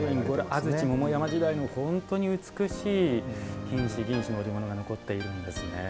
安土桃山時代の本当に美しい金糸、銀糸の織物が残っているんですね。